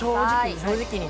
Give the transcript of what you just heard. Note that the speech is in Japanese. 正直にね。